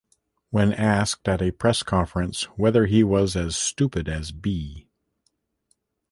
When asked at a press conference whether he was as stupid as B.